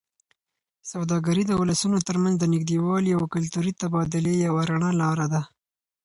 سوداګري د ولسونو ترمنځ د نږدېوالي او کلتوري تبادلې یوه رڼه لاره ده.